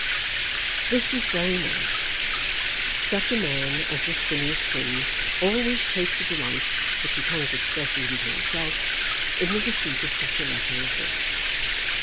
This was very nice. Such a man as was Phineas Finn always takes a delight which he cannot express even to himself in the receipt of such a letter as this.